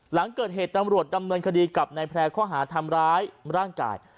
หลังเกิดเหตุตำรวจดำเนินคดีกับนายแพร่ข้อหาทำร้ายร่างกาย